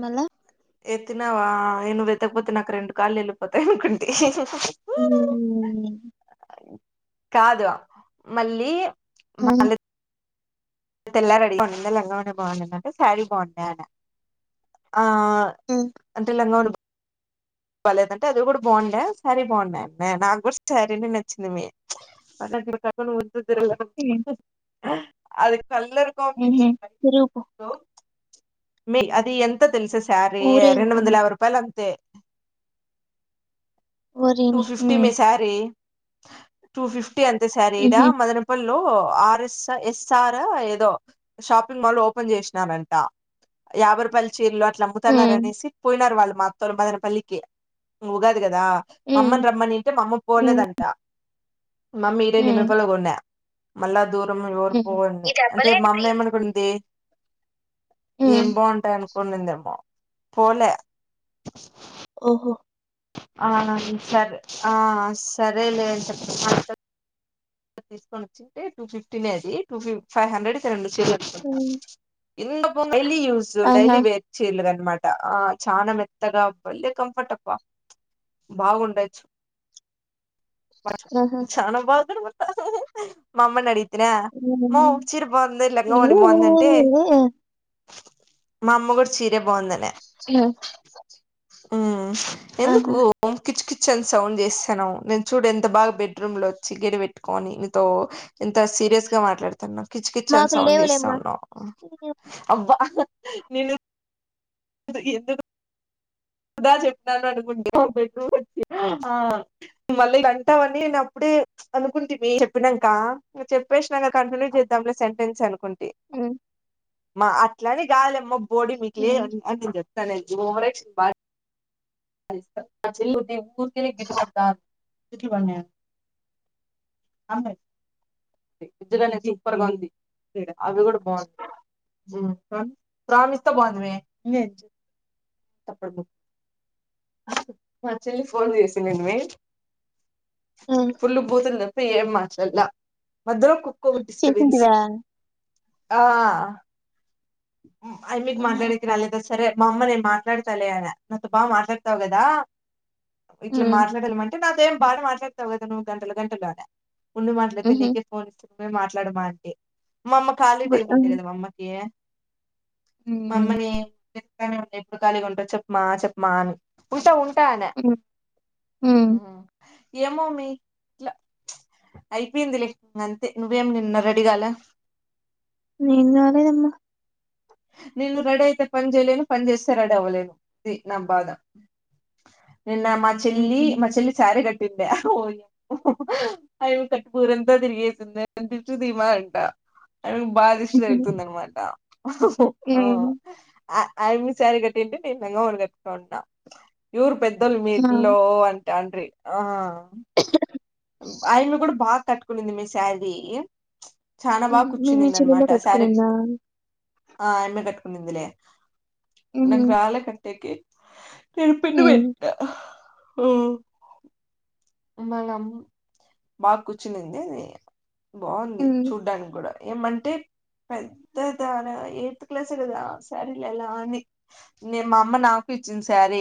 మళా ఎత్తినావా నువ్వు వెతకపోతే నాకు రెండు కాళ్లు వెళ్ళిపోతాయి అనుకుంటే హ కాదు మళ్ళీ ఆ మళ తెల్ల రెడీ బాగుంద లంగామనే బాగుంద అంటే శారీ బాగుండ ఆన ఆ అంటేలంగా ఉ బవాలేదంటే అది కూడా బాగుండే శారీ బాగున్నాయి నాకు కూడా శారీని నచ్చింది మీ చ ను్ సదర అది కలర్ ఉహు కాంబినేషన్ తిరుగుపో మీ అది ఎంత తెలుస సర రెండు వంద ఊరేగిపోము యారు రూపాయలు అంతే అ టూ ఓరిని ఫిఫ్టీ హ్మ్ మ సారే టూ ఫిఫ్టీ ఎంత సరేడా ఉహు మదనపుల్ ఎర్ ఏదో షాపింగ్ మాల్ ఓపెన్ చేసినంట యార్పల్చ ఇట్లమ్ముతన్నార హ్మ్ అనేసి పోయినారు వాళ్ళు మొం పదన పల్లి ఓకే ఉగా కదా హ్మ్ మమ్మన్ రమ్మనిట్ మమ్మ హ్మ్ పోలేదంటా మమ్మీ ఇరైడు ని హ్మ్ రపాలు కొన్నా మల్లా దూర్ రోజు ఎవరి పోవండి ఇది అంటే అవ్వలేదు మా అమ్మ ప్రియా ఏమనుకుంది ఏం ఉమ్, బాగుంటాయ అనుకో కొడుందిరుమో పోలే ఓహో అవున సరే ఆ సరేలే చెప్ప తీసుకని వచ్చి టూ ఫిఫ్టీనే అది టూ ఫిఫ్ ఫైవ్ హండ్రెడ్ రెండు చీర కట్టుకుంట ఉమ్, ఇది డైలీ యూస్ ఆహా డెలీ వేర్ చీరలు అనమాట ఆ చానా మెత్తగా బలే కంఫర్ట్ అబ్బ బాగుండచ్చు ఆహా చాన బ [unintelligible] మామ్మ నడి తిన ఉమ్, మూవ్ చిర బాగుంద లంగా ఓని బాగుందంటే ఉమ్, మమ్మగూడ చీర్ మ్మ్ మ్మ్ ఎందుకు [unintelligible] చెల్ సౌండు చేస్తున్నావ్ నేను చూడ ఎంత బాగా బెడ్రూమ్ లో వచ్చి గెడిట్ పెట్కనితో ఇంత సీరియస్ గా మాట్లాడు తన్న కిచ్ కిచ్ అని మాకు సౌండ్ చేస్తా లేవులేమ్మా ఉన్నవారు అబ్బా నేను [unintelligible] దా చెప్పినాను అనుకుంటే మళ్ళీ అంటావని నేను అప్పుడే అనుకుంటే చెప్పినాక చెప్పేసిన కంటిన్యూ చేద్దాంలే సెంటెన్స్ అనుకుంట హ్మ్ మా అట్లని గాదులేమ్మ బో బోడీ మీకులే హ్మ్ అంది అందించ [unintelligible] ఓవరాక్షన్ బా [unintelligible] [unintelligible] [unintelligible] అవి కూడా బాగున్నాయి ప్రామిస్ తో పొది మే మా చెల్లి ఫోన్ చేసి నిని మే హ్మ్ ఫులు బుతులు ఫ్రమ్ మార్చాలా మధ్యలో కుక్కో డిస్టబెన్స్ చేసింటివా ఆ ఆ అమ్మి ఆహా మాట్లాడేకి రాలదా సరే మా అమ్మ నేను మాట్లాడతాలే అనే నాతో బాగా మాట్లాడతావు కదా ఇట్లా హ్మ్ మాట్లాడాలమంట [unintelligible] నాతో ఏం బాగా మాట్లాడతావు కద గంటలు గంటలోనే ఉండు మాట్లయితే ఉహు నీకే ఫోన్ మే మాట్లాడమా అంటే మా అమ్మ ఖాళీ గుడ్ టైమ్ హ్మ్ ఉంటాయి కదా అమ్మకి మమ్మని [unintelligible] ఎప్పుడు ఖాలీగా ఉంటో చెప్పమా చెప్పమా అని ఉంటా ఉంట ట్ట నే హ్మ్ ఏమో మీ ఇట్లా అయిపోయింది లే అంతే నువ్వేం నిన్న రెడీగాలా నేను గలేద్ అమ్మ నేను రెడీ అయితే పని చేయలేను పని చేస్తే రెడీ అవ్వలేను ఇది నా బాధ నిన్న మా చెల్లి మా ఉహు చెల్లి సారీ గట్టి [unintelligible] అమ్మి కట్టుకొని ఊరంతా తిరిగి దిష్టికి తీమ అంట కు బాగా దిష్టి జరుగుతుంది అనమాట హ్మ్. ఆ ఆయామీ సారి కట్టింటే నేను లగవోని కట్టుకొని ఉంటా ఎవరు పెద్ లు ఆ! మీట్ లో అని తండ్రి ఆ ఆయామి కూడా బాగా కట్కుంది మే శ్యారీ మీ మీ చెల్లలే కట్టుకునిందా ఆ అమ్మే కట్కుంటందిలే హుహు. నాకు రాల్ క టేకి తరుపి హ్మ్. వట్ ఆ మనం బాగా కూర్చునింది అది బాగుంది హ్మ్. చూడ్డానికి కూడా ఏమంటే పెద్ద ఎయిత్ క్లాస్ కదా శారీలు ఎలా అని నే మా అమ్మ నాకు ఇచ్చంది శారీ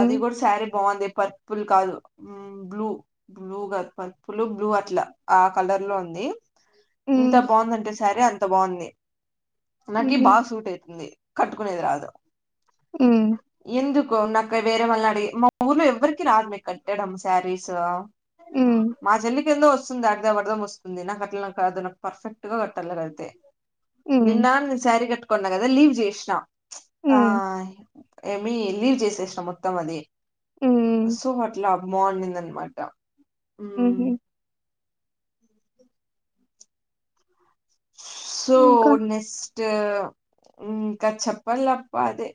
అది కూడాడు శారీ బాగుంది పర్పుల్ కాదు బ్లూ బ్లూ కదు పర్పులు బ్లూ అట్లా ఆ కలర్ లో ఉంది ఇంత హ్మ్. బగుంధి ఆంటే సారి అంత బాగుంది నాకి హుహు. బాగా సూట్ అయితుంది కట్టుకునే కి రాదు ఉమ్ కో నాక వేరేళ్ళనాడి మా ఊర్లో ఎవరికి రాధు మే ఎడ సారిసు హ్మ్. మా చెల్లికిళ్ందో వస్తు వస్తుంది అర్థ పర్ధం వస్తుంది నాకు అట్లా కాదు నాకు పర్ఫెక్ట్ గా కట్టలేరు అయితే హ్మ్. నిన్న ని సారీ కట్టు కొండ కదా లీవ్ చేసినా ఆ హ్మ్. ఏమి లీవ్ చేసేసినం మొత్తం అది హ్మ్. సుమట్ ల బాగున్నింది అనమాట హ్మ్ హు సో ఇంకా నెస్ ఇంకా మ్మ్ ఇంకా చెప్పాలప్ప అదే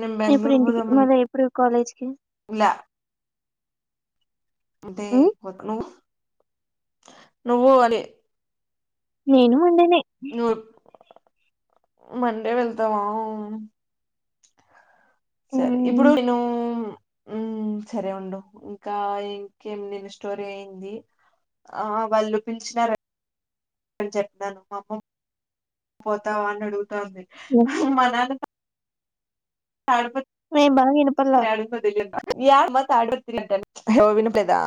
నేను ఇప్పుడు బెంగళూరు ఇంటికి పోదాం మళ్ళ ఎప్పుడు కాలేజ్కి అనుకులా మండే హ్మ్? పోత్ నువ్వు నువ్వు అని నేను మండే నే నూరు మండే వెళ్తావా సరే ఇప్పుడు హ్మ్. నేను ఉ సరే ఉండు ఇంకా ఇంకేమి నెల స్టోరీ అయింది ఆ వాళ్ళు పిలిచినార చెప్పతాను అమ్మ పోతా అన్నాడు ంది హ్మ్. మనాల సా నేను బాగా వినపడలా. తడుపద హ వినప్పులేదా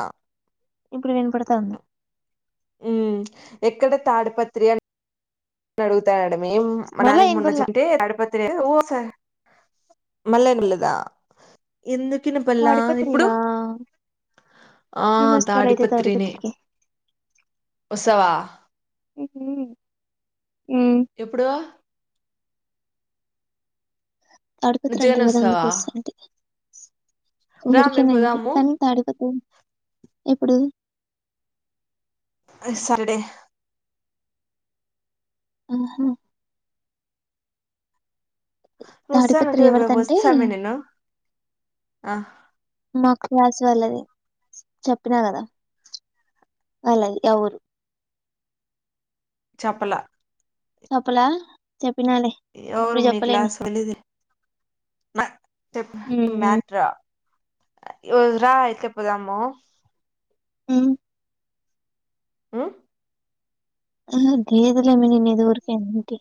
ఇప్పుడు వినపడతా ఉంది ఎక్కడ తాడిపత్రి అని అడుగుతా మ మళ్ళా నాకి ముచ్చ ఇనపడలా. త [unintelligible] ఎందు కినపల్లా ఇప్పుడు తాడిపత్రినా? ఆ నేనొస్తాలయితే తాడిపత్రినే తాడిపత్రికి. వస్తావా హ్మ్ హ్మ్ ఎప్పుడు తాడిపోత్రండి నిజంగానే ఉదా అందుకు వస్తావా వస్తారడి రామే ఊరికేనాండి పోదాము కానీ తాడిపోత్ర ఎప్పుడు సాటర్డే ఆహా తాడిపత్రి రుసానంట ఎవరిదంటే వస్సామనిను ఆ మా క్లాస్ వాళ్ళది చెప్పినా కదా వాళ్ళది ఎవరు చెప్పలె చెప్పులా చెప్ప ఎవరు మీ క్లాస్ [unintelligible] హ్మ్. మేటర్ ఆ రా అయితే పదము అ ఆ ఆ గేదులే మే నేనూ ఏదో ఊరికే అంటి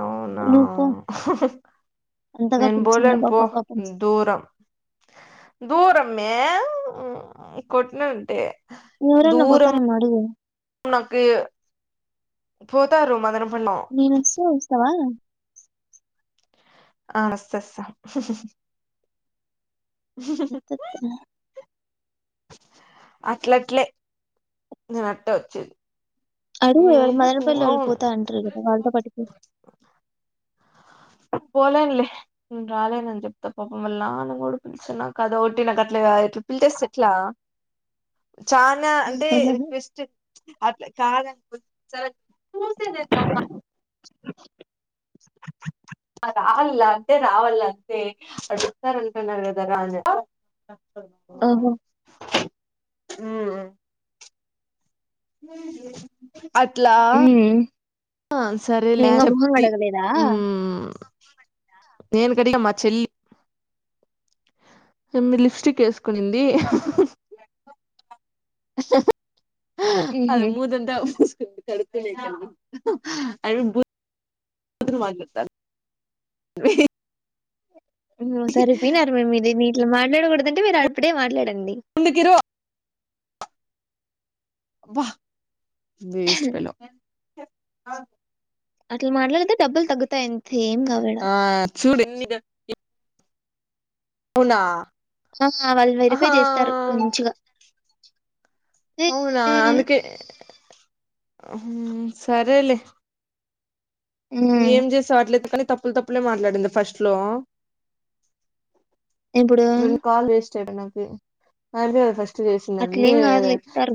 అవునా అంతగా నేను పిలిచిందా పోలేను పాప పో పాపం. దూరం దూరం ఆమెే కొట్టిన ఉంటే ఎవరన్న పోతారు ఏమో అడుగు నాకు పోతారు మదన నేనుస్తుస్తవా ఆ అస్తాస్తా తత్ర అట్లట్లే నిినట్ట వచ్చేది అడుగు ఎవరు ఎందుకు మదనపల్లి అవును వెళ్ళిపోతా అంటారు కదా వాళ్ళతో పటికి పోలేనులే నేను రాలేనని చెప్తా పాప మళ్ళ నాన్న కూడా పిలిచ నా కదా ఒట్టి నాకు అట్లా ఎట్లా పిలిచేస్త ఎట్లా చనా అంటే రిక్వెస్ట్ అట్లా కాద స పూసేదేందమ్మా రావాల అంటే రావాల అంతే అడుస్తారంటున్నారు కదా రాజా ఓహూ మ్ అట్లా హ్మ్. ఆ సరేలే నువ్వింకా చెప్త మొహం కడగలేదా? నేను కడిగా మా చెల్లి మీరు లిప్స్టిక్ వేసుకునింది అది హుహు. మూతంతా కడుక్కునేకమ్మా [unintelligible] అ ఉ సరిపోయినారుమే మీరి ఇట్లా మాట్లాడగూడదు డా కంటే మీరు అప్పుడే మాట్లాడండి ముందుకిరో వా వేస్ట్ పేలో అట్లా మాట్లాడితే డబ్బులు తగ్గుతాయి ఏం కావు ఈడ. ఆ చూడిన్ని ఇ అవునా ఆ వాళ్ళు వెరిఫై ఆహా చేస్తారు కొంచిగా అవునా అందుకే సరేలే హ్మ్ ఏం చేసవట్లే కనీ తప్పులు తప్పులే మాట్లాడింది ఫస్ట్ లో ఇప్పుడు చెట నవ్వే అయినదే కథ ఫస్ట్ ర్తి చేసిందండి అట్లేం కాదులే ఇత్తారు.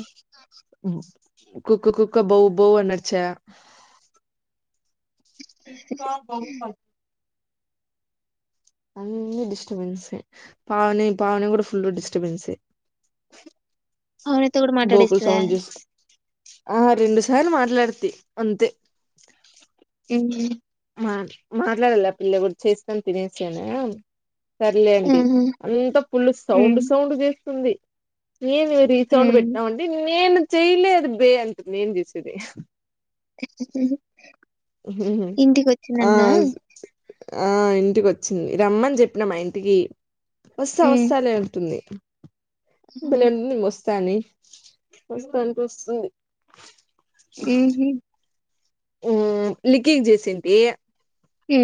కుకు కుక్క బౌ బౌ అన్నడ్ చె [unintelligible] అ డిస్టబెన్స్ పవని పవని కూడా ఫుల్ డిస్టబెన్స్ఏ పవనితో కూడా బోకులు మాట్లాడిస్తదా? సౌంజస్ ఆ రెండు సార్లు మాట్లాడితి అంతే అ మా మాట్లాడాల పిల్ల కూడా చేస్తాని తినసాను సర్లే అండి ఆహా అంతా పుల్లు సౌండ్ హ్మ్ సౌండ్ చే తుందిి నేను రీసౌండ్ హ్మ్ పెట్టామండి నేను చేయలేద బే అంటుంది ఏం చేసేది [inaudible] ఇంటికి ఆ వచ్చిందంటనా? ఆ ఇంటికి ఒచ్చింది రమ్మని చెప్పిన మా ఇంటికి వస్తా హ్మ్ వస్తానే ఉంటుంది ఆహా బళ్లండి మస్త కానీ మస్త్ అనిపిస్తుంది ఈజీ ఆ లికేజ చేసిేంది అ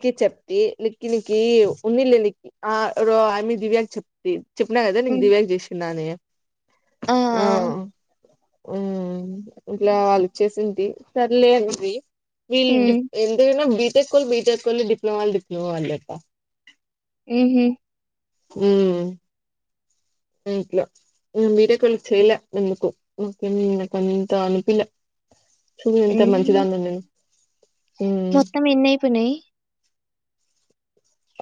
క్కి చెప్త నిఖిల్ కి ఉన్నిలేలిక్ ఆ ఆమె దివ్యాకి చెప్త చెప్పినా కథ నీకు హ్మ్ దివ్యాక్ చేసినా అని ఆ ఉ ఇట్లా వాళ్ళు వచ్చేసింది సర్లేదుది [inaudible] హ్మ్ బీటెక్ బీటెక్ వాల్ డిప్లమా డిప్లొమా వా అప్పా ఏహ అ అట్లో మీీరేక వెళ్ చెలే నికు ని త అనుపిలా ఏం.. మ్మ్ మొత్తం ఎన్ని అయిపోయిన్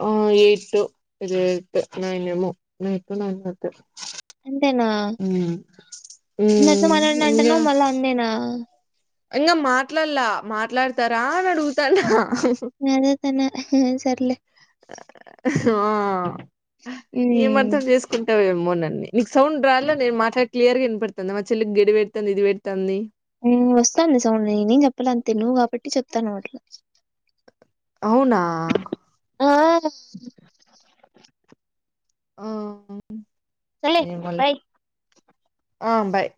ఆ ఎయి టటు త ఎట్ నైన్ము నైట్ ననట్ అంతేనా మ్మ్ అందరితో మాట్లాడిన ఇంగ అంటేను మళ్ళా అందేనా ఇంగ మాట్లాల్లా మాట్లాడతారా అడుగుతన న అదే త సార్లే [unintelligible] ఏం హ్మ్ అర్థం చేసుకుంటావేమో అమోనన్న నీకు సౌండ్ రల నేను మాట్లాడ క్లియర్గాన పెడుతుంది మా చెల్లికి గెడి పెడతాంది ఇది పెడతాంది వస్తంది సౌండ్ నేను చెప్పాల అంతే నువ్వు కాబట్టి చె తనవాట్లో అవునా ఆ ఆ సరేలే ఏమోలే బాయ్ ఆ అబ్బాయి